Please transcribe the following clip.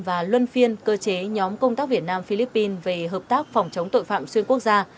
và luân phiên cơ chế nhóm công tác việt nam philippines về hợp tác phòng chống tội phạm xuyên quốc gia